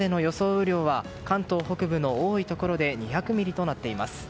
雨量は関東北部の多いところで２００ミリとなっています。